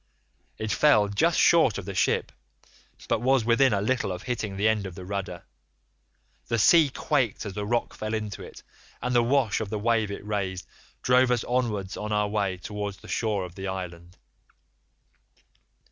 It fell just short of the ship, but was within a little of hitting the end of the rudder. The sea quaked as the rock fell into it, and the wash of the wave it raised drove us onwards on our way towards the shore of the island.